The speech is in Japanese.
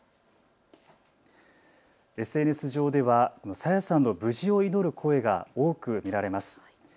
ＳＮＳ上では朝芽さんの無事を祈る声が多く見られます。